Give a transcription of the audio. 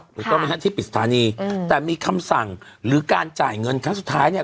หรือต้องมีทั้งที่ปิดสถานีแต่มีคำสั่งหรือการจ่ายเงินค่าสุดท้าย